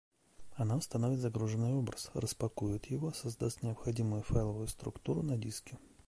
Она установит загруженный образ: распакует его, создаст необходимую файловую структуру на диске